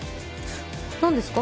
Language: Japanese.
何ですか？